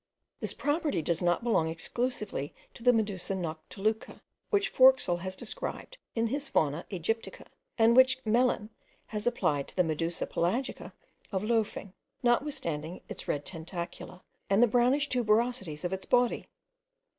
This property does not belong exclusively to the Medusa noctiluca, which Forskael has described in his Fauna Aegyptiaca, and which Gmelin has applied to the Medusa pelagica of Loefling, notwithstanding its red tentacula, and the brownish tuberosities of its body.